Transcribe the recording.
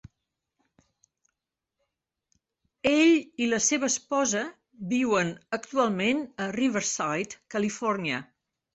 Ell i la seva esposa viuen actualment a Riverside, Califòrnia.